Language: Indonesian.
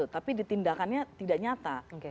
tapi ditindakannya tidak nyata